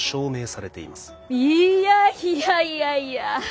いやいやいやいや。